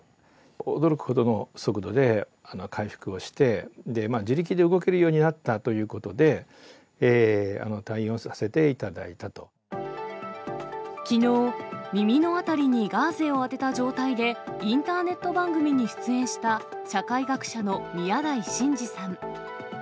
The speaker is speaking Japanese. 驚くほどの速度で回復をして、自力で動けるようになったということで、退院をさせていただいたきのう、耳の辺りにガーゼを当てた状態で、インターネット番組に出演した、社会学者の宮台真司さん。